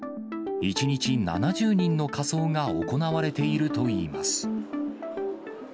１日７０人の火葬が行われているといいます。